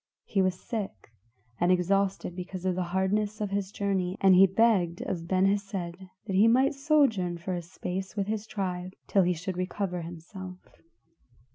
He was sick and exhausted because of the hardness of his journey, and he begged of Ben Hesed that he might sojourn for a space with his tribe till he should recover himself.